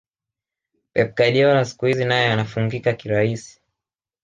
pep guardiola siku hizi naye anafungika kirahisi